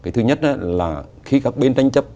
thứ nhất là khi các bên tranh chấp